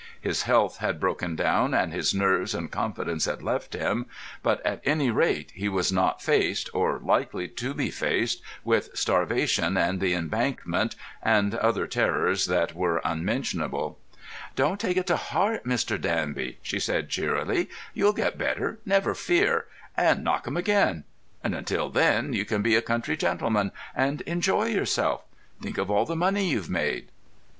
His health had broken down, and his nerves and confidence had left him, but, at any rate, he was not faced, or likely to be faced, with starvation and the Embankment, and other terrors that were unmentionable. "Don't take it to heart, Mr. Danby," she said cheerily. "You'll get better, never fear, and knock 'em again. And, until then, you can be a country gentleman, and enjoy yourself. Think of all the money you've made!"